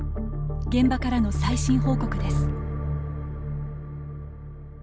現場からの最新報告です。